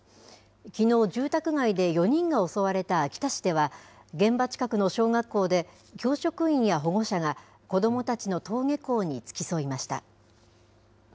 きのう、住宅街で４人が襲われた秋田市では、現場近くの小学校で、教職員や保護者が、子どもたちの登下校に付き添いました。